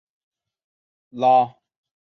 拉普拉斯是因果决定论的信徒。